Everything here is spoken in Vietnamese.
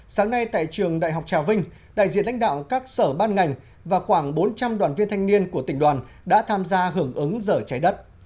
sáng nay tại trường đại học trà vinh đại diện lãnh đạo các sở ban ngành và khoảng bốn trăm linh đoàn viên thanh niên của tỉnh đoàn đã tham gia hưởng ứng giờ trái đất